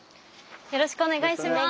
よろしくお願いします！